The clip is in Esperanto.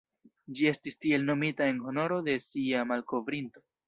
Ĝi estis tiel nomita en honoro de sia malkovrinto.